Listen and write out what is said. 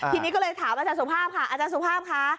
ทีนี้ก็เลยถามอาจารย์สุภาพค่ะ